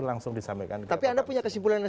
langsung disampaikan tapi anda punya kesimpulannya